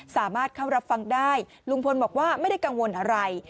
สามารถเข้ารับฟังได้ลุงพลบอกว่าไม่ได้กังวลอะไร